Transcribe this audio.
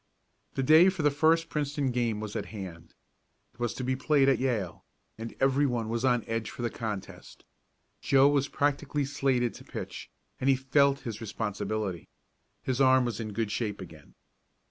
The day for the first Princeton game was at hand. It was to be played at Yale, and everyone was on edge for the contest. Joe was practically slated to pitch, and he felt his responsibility. His arm was in good shape again.